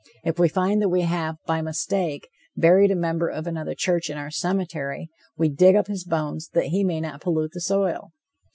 If we find that we have, by mistake, buried a member of another church in our cemetery, we dig up his bones, that he may not pollute the soil.